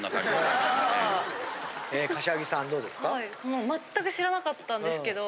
もうまったく知らなかったんですけど。